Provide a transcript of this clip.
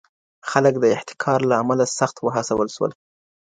خلک د احتکار له امله سخت وهڅول سول.